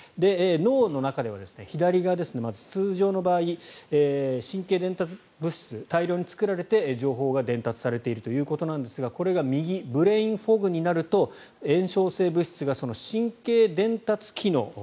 脳の中では左側、まず通常の場合神経伝達物質大量に作られて情報が伝達されているということなんですがこれが右ブレインフォグになると炎症性物質が神経伝達機能